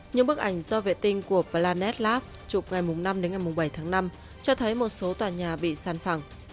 những bức ảnh do vệ tinh của planet labs chụp ngày năm đến ngày bảy tháng năm cho thấy một số tòa nhà bị sàn phẳng